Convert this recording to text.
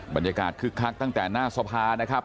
คึกคักตั้งแต่หน้าสภานะครับ